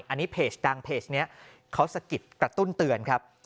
อันนี้เพจดังเพจนี้เขาสะกิดกระตุ้นเตือนครับ